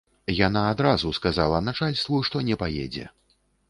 Яна адразу сказала начальству, што не паедзе.